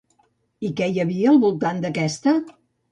I què hi havia al voltant d'aquesta?